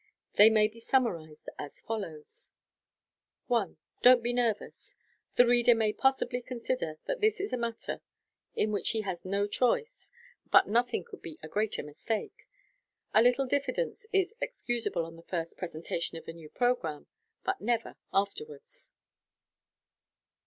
They may be summarized as follows :— 1. Don't be nervous. (The reader may possibly consider that this is a matter in which he has no choice j but nothing could be a greater mistake.) A little diffidence is excusable on the first presen tation of a new programme, but never afterwards.